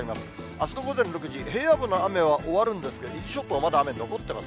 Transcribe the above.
あすの午前６時、平野部の雨は終わるんですが、伊豆諸島はまだ雨残ってます。